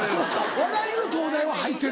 笑いの東大は入ってる。